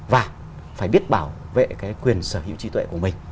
và phải biết bảo vệ cái quyền sở hữu trí tuệ của mình